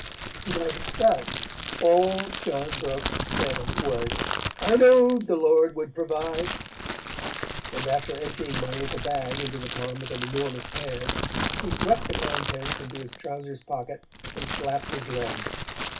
To my disgust, all John Brooks said was, 'I know'd the Lord would provide,' and after emptying my little bag into the palm of an enormous hand, he swept the contents into his trousers pocket, and slapped his leg.